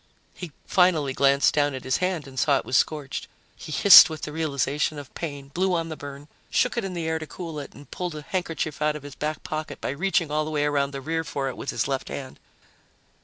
He finally glanced down at his hand and saw it was scorched. He hissed with the realization of pain, blew on the burn, shook it in the air to cool it, and pulled a handkerchief out of his back pocket by reaching all the way around the rear for it with his left hand.